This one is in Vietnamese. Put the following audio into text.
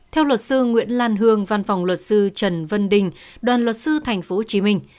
theo luật sư nguyễn lan hương văn phòng luật sư trần văn đình đoàn luật sư thành phố hồ chí minh